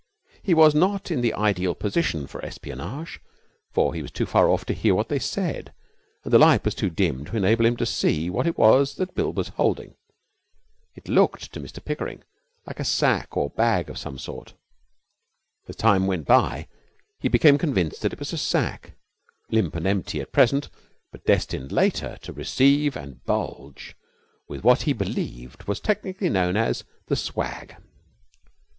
His was not the ideal position for espionage, for he was too far off to hear what they said, and the light was too dim to enable him to see what it was that Bill was holding. It looked to Mr Pickering like a sack or bag of some sort. As time went by he became convinced that it was a sack, limp and empty at present, but destined later to receive and bulge with what he believed was technically known as the swag.